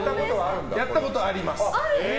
やったことはあります。